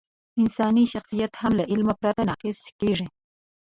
انساني شخصیت هم له علم پرته ناقص کېږي.